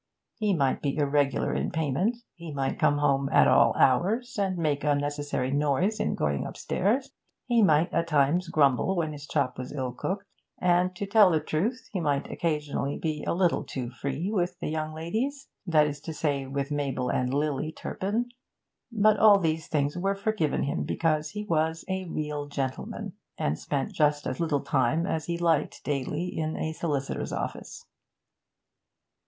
He might be irregular in payment; he might come home 'at all hours,' and make unnecessary noise in going upstairs; he might at times grumble when his chop was ill cooked; and, to tell the truth, he might occasionally be 'a little too free' with the young ladies that is to say, with Mabel and Lily Turpin; but all these things were forgiven him because he was 'a real gentleman,' and spent just as little time as he liked daily in a solicitor's office.